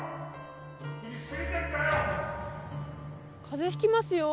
風邪ひきますよ